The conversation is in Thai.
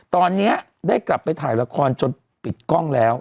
ตอนนี้ได้กลับไปถ่ายละครจนปิดกล้องแล้ว